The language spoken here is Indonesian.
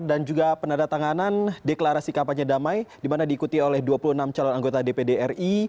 dan juga penadatanganan deklarasi kampanye damai dimana diikuti oleh dua puluh enam calon anggota dpd ri